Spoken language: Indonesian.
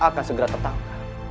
akan segera tertangkap